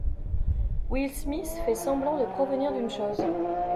Will Smith fait semblant de provenir d'une chose.